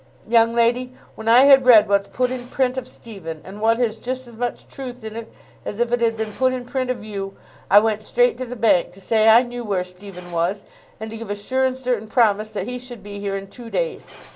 Young lady, when I had read what's put in print of Stephen—and what has just as much truth in it as if it had been put in print of you—I went straight to the Bank to say I knew where Stephen was, and to give a sure and certain promise that he should be here in two days.